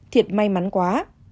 thiệt may mắn quá